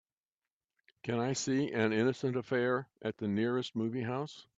Can I see An Innocent Affair at the nearest movie house.